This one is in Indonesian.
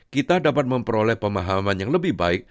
kita dapat memperoleh pemahaman yang lebih baik